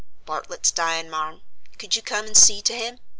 "Bartlett 's dying, marm: could you come and see to him?"